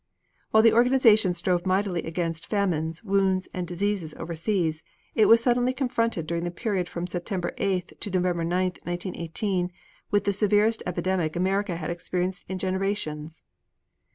While the organization strove mightily against famines, wounds and disease overseas, it was suddenly confronted during the period from September 8th to November 9th, 1918, with the severest epidemic America had experienced in generations.